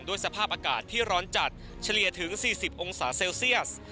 สภาพอากาศที่ร้อนจัดเฉลี่ยถึง๔๐องศาเซลเซียส